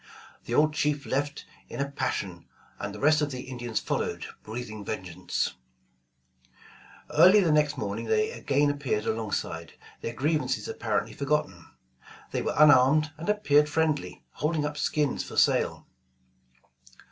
The old chief left in a passion, and the rest of the Indians followed breathing vengance. 167 The Original John Jacob Astor Early the next morning they again appeared along side, their grievances apparently forgotten. They were unarmed and appeared friendly, holding np skins for sale.